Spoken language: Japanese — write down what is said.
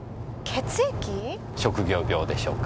職業病でしょうか？